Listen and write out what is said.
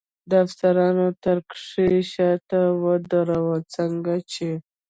د افسرانو تر کرښې شاته ودراوه، څنګه چې.